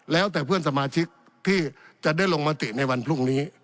แล้วแต่เพื่อนสมาชิกที่จะได้ลงมติในวันพรุ่งนี้